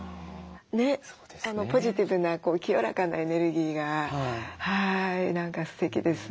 ねっポジティブな清らかなエネルギーが何かすてきです。